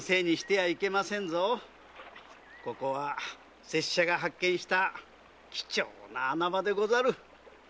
ここは拙者が発見した貴重な穴場でござる。